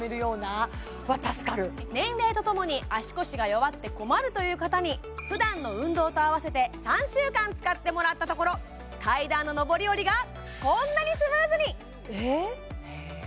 年齢とともに足腰が弱って困るという方にふだんの運動と併せて３週間使ってもらったところ階段の上り下りがこんなにスムーズにえっ？